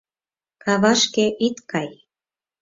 Кавашке ит кай.